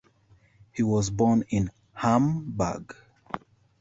He was born in Hamburg.